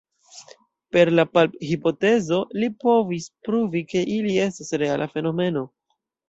Per la palp-hipotezo li povis pruvi, ke ili estas reala fenomeno.